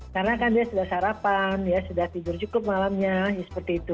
karena kan dia sudah sarapan sudah tidur cukup malamnya seperti itu